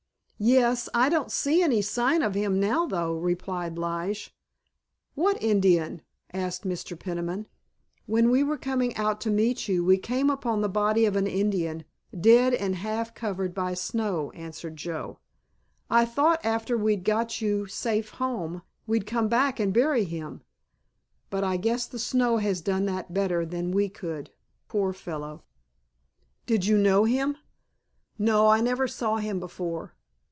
"Yes; I don't see any sign of him now though," replied Lige. "What Indian?" asked Mr. Peniman. "When we were coming out to meet you we came upon the body of an Indian, dead and half covered by snow," answered Joe. "I thought after we'd got you safe home we'd come back and bury him; but I guess the snow has done that better than we could, poor fellow!" "Did you know him?" "No, I never saw him before."